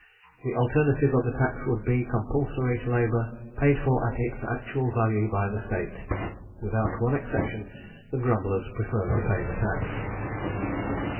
The alternative of the tax would be compulsory labour paid for at its actual value by the State." Without one exception the grumblers preferred to pay the tax.